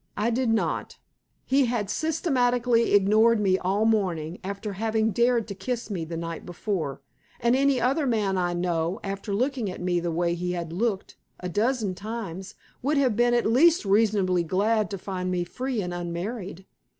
I did not; he had systematically ignored me all morning, after having dared to kiss me the night before. And any other man I know, after looking at me the way he had looked a dozen times, would have been at least reasonably glad to find me free and unmarried.